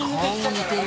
似てる！